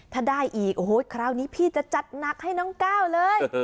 ถ้าได้อีกโอ้โหคราวนี้พี่จะจัดหนักให้น้องก้าวเลย